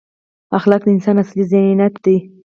اخلاق د انسان اصلي زینت دی.